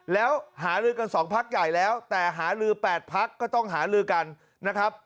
แล้วหาลือกัน๒พักใหญ่แล้วแต่หาลือ๘พักก็ต้องหาลือกันนะครับ